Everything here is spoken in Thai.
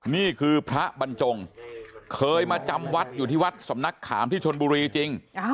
นี่คือพระบรรจงเคยมาจำวัดอยู่ที่วัดสำนักขามที่ชนบุรีจริง